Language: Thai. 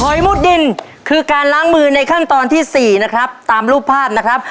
มุดดินคือการล้างมือในขั้นตอนที่สี่นะครับตามรูปภาพนะครับ